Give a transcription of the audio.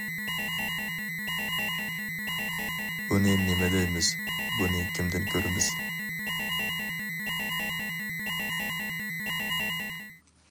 بۇنى نېمە دەيمىز؟ بۇنى كىمدىن كۆرىمىز.